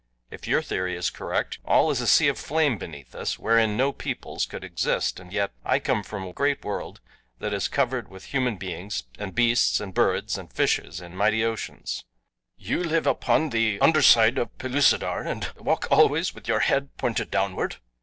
If your theory is correct all is a sea of flame beneath us, wherein no peoples could exist, and yet I come from a great world that is covered with human beings, and beasts, and birds, and fishes in mighty oceans." "You live upon the under side of Pellucidar, and walk always with your head pointed downward?"